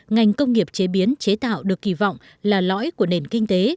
ngành công nghiệp chế biến chế tạo được kỳ vọng là lõi của nền kinh tế